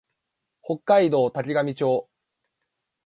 北海道滝上町